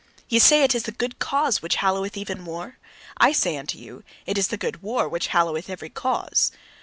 Ye say it is the good cause which halloweth even war? I say unto you: it is the good war which halloweth every cause.